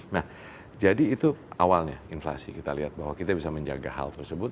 nah jadi itu awalnya inflasi kita lihat bahwa kita bisa menjaga hal tersebut